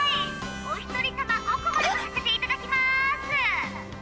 お一人様５個までとさせていただきます！